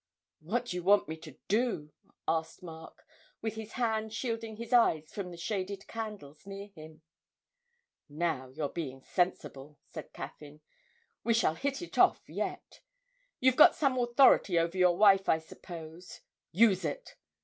'What do you want me to do?' asked Mark, with his hand shielding his eyes from the shaded candles near him. 'Now you're getting sensible!' said Caffyn. 'We shall hit it off yet! You've got some authority over your wife, I suppose? Use it.